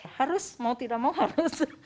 harus mau tidak mau harus